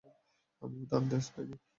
আমি দান্তে স্পাইভি।